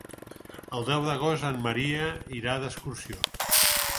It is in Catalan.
El deu d'agost en Maria irà d'excursió.